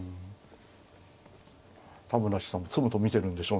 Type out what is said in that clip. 田村七段も詰むと見てるんでしょうね